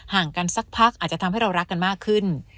ห่างกันสักพักอาจจะทำให้เรารักกันมากขึ้น